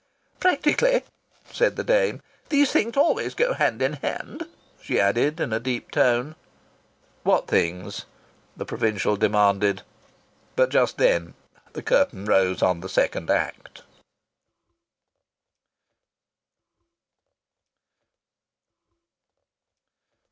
"Practically," said the dame. "These things always go hand in hand," she added in a deep tone. "What things?" the provincial demanded. But just then the curtain rose on the second act.